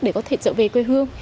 để có thể trở về quê hương